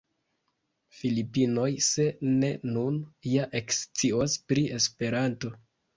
Filipinoj, se ne nun, ja ekscios pri Esperanto.